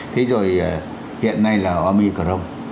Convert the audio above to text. thế rồi hiện nay là omicron